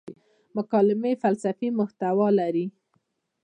مکالمې فلسفي محتوا لري.